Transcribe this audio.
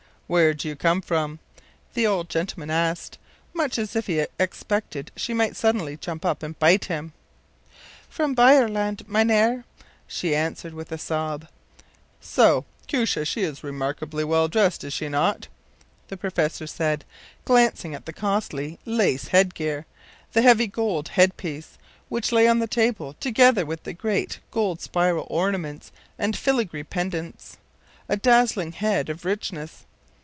“Where do you come from?” the old gentleman asked, much as if he expected she might suddenly jump up and bite him. “From Beijerland, mynheer,” she answered, with a sob. “So! Koosje, she is remarkably well dressed, is she not?” the professor said, glancing at the costly lace head gear, the heavy gold head piece, which lay on the table together with the great gold spiral ornaments and filigree pendants a dazzling head of richness.